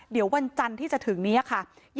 เดี๋ยววันจันทร์ที่จะถึงนี้ค่ะ